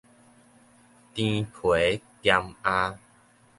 甜皮鹹餡